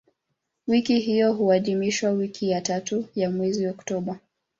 Wiki hiyo huadhimishwa wiki ya tatu ya mwezi Oktoba.